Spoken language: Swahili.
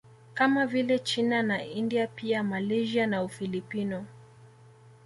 Kama vile China na India pia Malaysia na Ufilipino